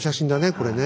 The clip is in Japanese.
これね。